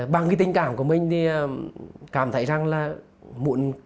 bằng cái tình cảm của mình thì cảm thấy rằng là muộn